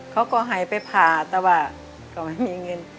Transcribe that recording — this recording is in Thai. เขาก็ให้ไปผ่าแต่ว่าก็ไม่มีเงิน